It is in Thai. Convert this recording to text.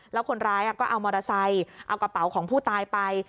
แล้วคนร้ายก็เอามอเตอร์ไซค์เอากระเป๋าของผู้ตายไป